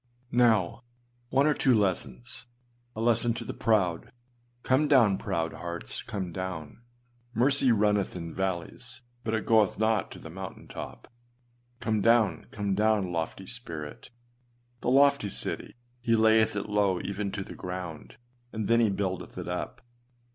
â Now, one or two lessons. A lesson to the proud. Come down, proud hearts, come down! Mercy runneth in valleys, but it goeth not to the mountain top. Come down, come down, lofty spirit! The lofty city, he layeth it low even to the ground, and then he buildeth it up.